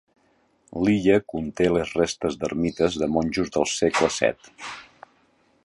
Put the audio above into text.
L'illa conté les restes d'ermites de monjos del segle VII.